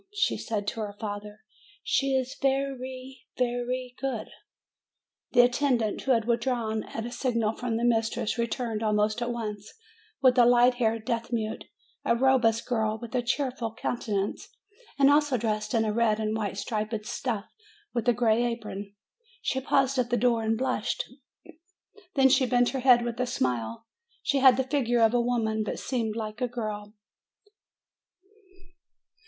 Then she said to her father, "She is ve ry, ve ry good." The attendant, who had withdrawn at a signal from the mistress, returned almost at once with a light haired deaf mute, a robust girl, with a cheerful coun tenance, and also dressed in the red and white striped stuff, with a gray apron. She paused at the door and blushed; then she bent her head with a smile. She had the figure of a woman, but seemed like a girl.